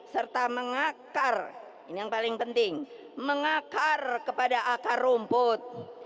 serta mengakar ini yang paling penting mengakar kepada akar rumput